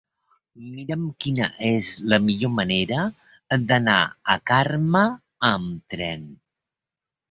Mira'm quina és la millor manera d'anar a Carme amb tren.